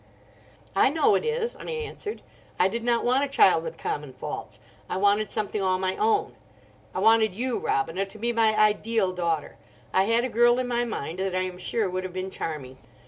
"I know it is," I answered. "I did not want a child with common faults. I wanted something all my own. I wanted you, Robina, to be my ideal daughter. I had a girl in my mind that I am sure would have been charming.